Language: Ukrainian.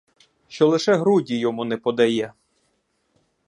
Що лише груді йому не подає.